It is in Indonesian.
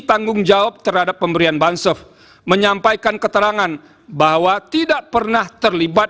tanggung jawab terhadap pemberian bansof menyampaikan keterangan bahwa tidak pernah terlibat